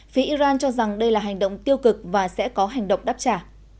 phía iran cho rằng đây là hành động tiêu cực và sẽ có hành động đáp trả